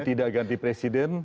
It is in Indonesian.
tidak ganti presiden